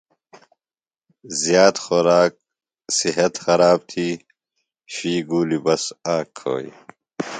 زیات خوراک صِحت خراب تھی۔ شُوئیۡ گُولیۡ بس آک کھوئیۡ۔